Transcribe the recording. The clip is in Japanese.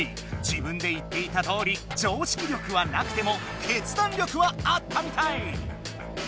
自分で言っていたとおり常識力はなくても決断力はあったみたい！